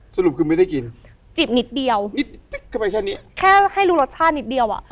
สรุปคือไม่ได้กินจีบนิดเดียวนิดจิ๊กเข้าไปแค่นี้แค่ให้รู้รสชาตินิดเดียวอ่ะ